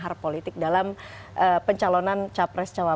apa sih yang sebenarnya yang terjadi